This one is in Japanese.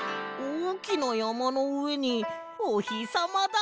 おおきなやまのうえにおひさまだ！